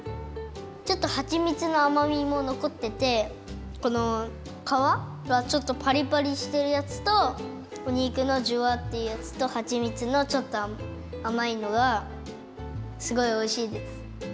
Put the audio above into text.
ちょっとはちみつのあまみものこっててこのかわがちょっとパリパリしてるやつとおにくのジュワッていうやつとはちみつのちょっとあまいのがすごいおいしいです。